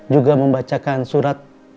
juga membacakan surat